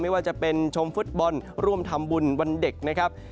ไม่ว่าจะเป็นชมฟุตบอลร่วมทำบุญวันเด็กนะครับ